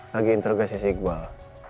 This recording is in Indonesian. lagi interogasi si iqbal